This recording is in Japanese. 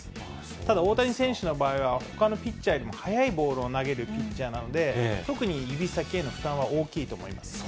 ただ、大谷選手の場合は、ほかのピッチャーよりも速いボールを投げるピッチャーなので、特に指先への負担は大きいと思います。